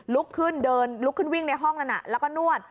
ลุกขึ้นเดินลุกขึ้นวิ่งในห้องนั้นแล้วก็นวด